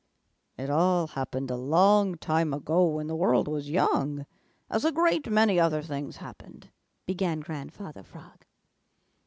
"It all happened a long time ago when the world was young, as a great many other things happened," began Grandfather Frog.